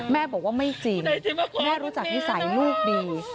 แม่บอกว่าไม่จริงแม่รู้จักนิสัยลูกดี